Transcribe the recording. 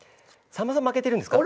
さんまさん負けてるんですか？